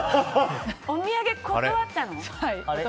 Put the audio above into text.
お土産断ったの？